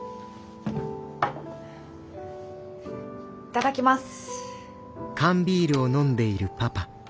頂きます。